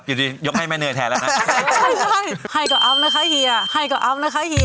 อยู่ตรียกให้แม่เนอร์แทนแล้วครับ